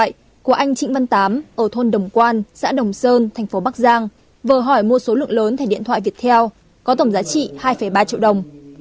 điện thoại của anh trịnh văn tám ở thôn đồng quan xã đồng sơn tp bắc giang vừa hỏi mua số lượng lớn thẻ điện thoại việt theo có tổng giá trị hai ba triệu đồng